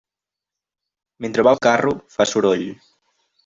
Mentre va el carro, fa soroll.